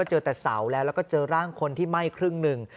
เจอแต่เสาแล้วแล้วก็เจอร่างคนที่ไหม้ครึ่งหนึ่ง